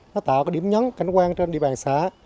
nó tạo cái điểm nhấn cảnh quan trên địa bàn xã